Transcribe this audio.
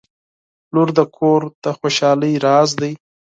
• لور د کور د خوشحالۍ راز دی.